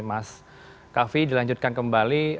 mas kaffi dilanjutkan kembali